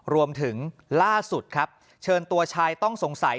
รวมถึงล่าสุดครับเชิญตัวชายต้องสงสัย